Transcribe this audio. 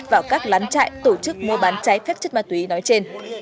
vào các lán trại tổ chức mua bán trái phép chất ma túy nói trên